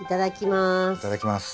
いただきます。